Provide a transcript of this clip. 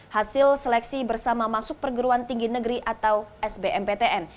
hasil seleksi bersama masuk perguruan tinggi negeri atau sbmptn